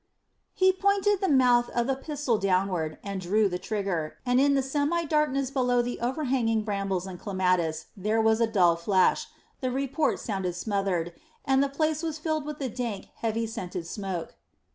He pointed the mouth of the pistol downward, and drew the trigger, and in the semi darkness below the overhanging brambles and clematis there was a dull flash, the report sounded smothered, and the place was filled with the dank, heavy scented smoke.